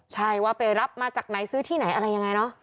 ใช่ว่าไปรับมาจากไหนซื้อที่ไหนอะไรยังไงเนอะ